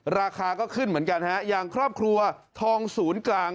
ราคาก็ขึ้นเหมือนกันฮะอย่างครอบครัวทองศูนย์กลาง